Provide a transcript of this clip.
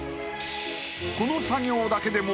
この作業だけでも。